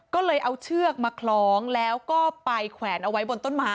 ก็เลยเอาเชือกมาคล้องแล้วก็ไปแขวนเอาไว้บนต้นไม้